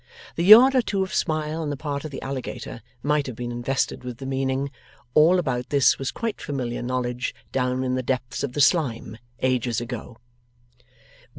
The yard or two of smile on the part of the alligator might have been invested with the meaning, 'All about this was quite familiar knowledge down in the depths of the slime, ages ago.